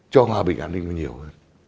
cho hòa bình an ninh nhiều hơn